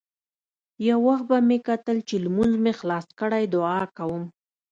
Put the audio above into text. يو وخت به مې کتل چې لمونځ مې خلاص کړى دعا کوم.